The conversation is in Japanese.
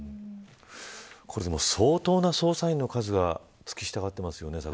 これでも、相当の捜査員の数がつき従ってますよね。